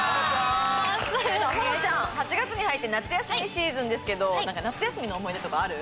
保乃ちゃん８月に入って夏休みシーズンですけど夏休みの思い出とかある？